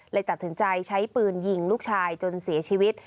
เลยตัดสินใจใช้ปืนยิงลูกชายจนเสียชีวิต